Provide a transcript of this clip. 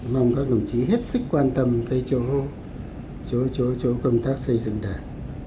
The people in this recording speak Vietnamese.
mong các đồng chí hết sức quan tâm cái chỗ công tác xây dựng đoàn